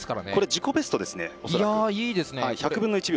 自己ベストですからね。